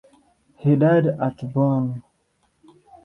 He died at Bonn.